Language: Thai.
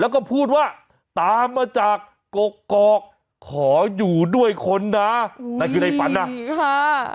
แล้วก็พูดว่าตามมาจากกกอกขออยู่ด้วยคนนะนั่นคือในฝันนะ